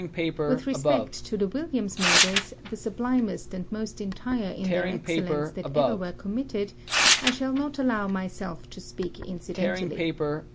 "With respect to the Williams' murders, the sublimest and most entire in their excellence that ever were committed, I shall not allow myself to speak incidentally.